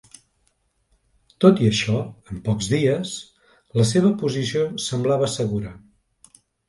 Tot i això, en pocs dies, la seva posició semblava segura.